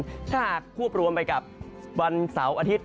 ถ้าหากควบรวมไปกับวันเสาร์อาทิตย์